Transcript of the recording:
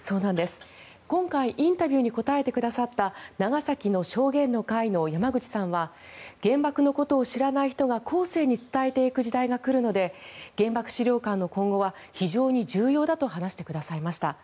今回インタビューに答えてくださった長崎の証言の会の山口さんは原爆のことを知らない人が後世に伝えていく時代が来るので原爆資料館の今後は非常に重要だと話してくださいました。